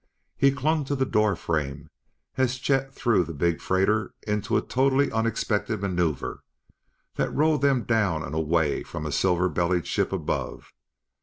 He clung to the door frame as Chet threw the big freighter into a totally unexpected maneuver that rolled them down and away from a silver bellied ship above.